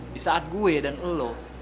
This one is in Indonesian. di saat gue dan lo